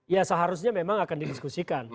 ya seharusnya memang akan didiskusikan